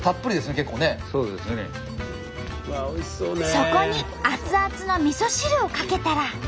そこに熱々のみそ汁をかけたら。